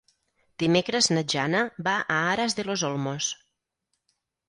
Dimecres na Jana va a Aras de los Olmos.